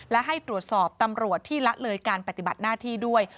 และให้ตรวจสอบตำรวจที่ละเลยการปฏิบัติหน้าที่ด้วย